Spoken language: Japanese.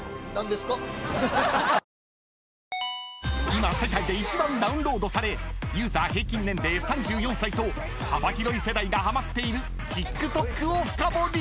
［今世界で一番ダウンロードされユーザー平均年齢３４歳と幅広い世代がハマっているＴｉｋＴｏｋをフカボリ！］